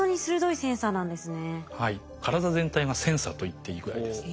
体全体がセンサーといっていいぐらいです。